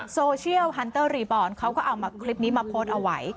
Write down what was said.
โซเชียลฮันเตอร์รีบอร์ดเขาก็เอาคลิปนี้มาโพสต์เอาไว้